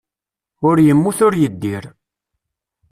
Ur yemmut ur yeddir.